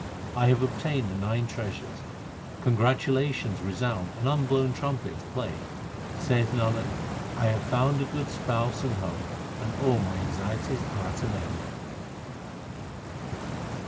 I have obtained the nine treasures ; congratulations resound and unblown trumpets play. Saith Nanak, I have found a good Spouse and home, and all my anxieties are at an end.